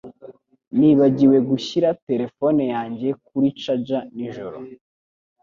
Nibagiwe gushyira terefone yanjye kuri charger nijoro